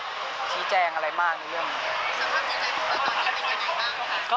สัมภาพใจใจรูปมิถูกตอนนี้เป็นอย่างไรบ้างครับ